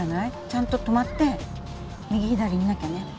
ちゃんと止まって右左見なきゃね